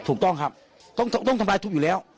ถูกต้องครับต้องทำลายทุกข์อยู่แล้ว